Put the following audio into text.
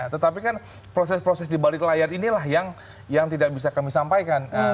tetapi kan proses proses di balik layar inilah yang tidak bisa kami sampaikan